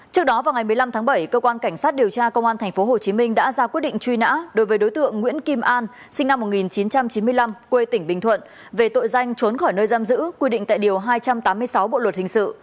trước đó vào ngày một mươi năm tháng bảy cơ quan cảnh sát điều tra công an tp hcm đã ra quyết định truy nã đối với đối tượng nguyễn kim an sinh năm một nghìn chín trăm chín mươi năm quê tỉnh bình thuận về tội danh trốn khỏi nơi giam giữ quy định tại điều hai trăm tám mươi sáu bộ luật hình sự